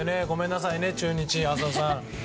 ごめんなさいね中日、浅尾さん。